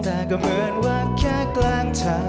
แต่ก็เหมือนว่าฉันยังไม่รู้เลยจะหลงเอ๋ยฉันไหร่